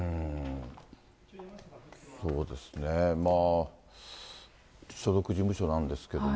そうですね、所属事務所なんですけども。